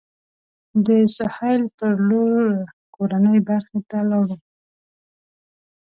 د سهیل پر لور کورنۍ برخې ته لاړو.